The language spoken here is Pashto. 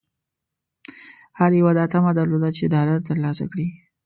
هر یوه دا طمعه درلوده چې ډالر ترلاسه کړي.